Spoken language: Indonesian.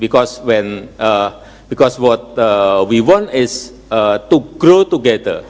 karena apa yang kita inginkan adalah untuk tumbuh bersama